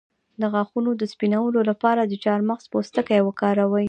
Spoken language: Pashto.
د غاښونو د سپینولو لپاره د چارمغز پوستکی وکاروئ